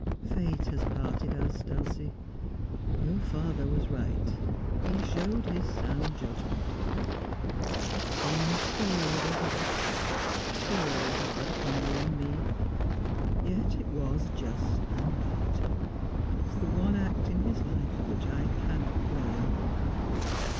Fate has parted us, Dulcie. Your father was right ; he showed his sound judgment. It seems cruel, doesn't it 1 sorely hard upon you and me. Yet it was just and right. It is the one act in his life which I cannot blame.'